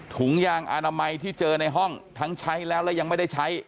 ถุงยางอนามัยที่เจอในห้องทั้งใช้แล้วและยังไม่ได้ใช้